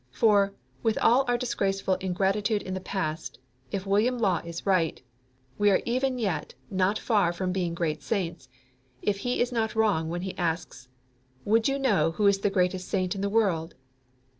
For, with all our disgraceful ingratitude in the past, if William Law is right, we are even yet not far from being great saints, if he is not wrong when he asks: "Would you know who is the greatest saint in the world?